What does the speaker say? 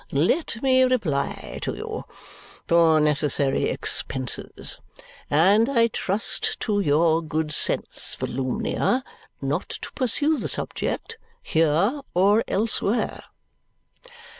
let me reply to you. For necessary expenses. And I trust to your good sense, Volumnia, not to pursue the subject, here or elsewhere."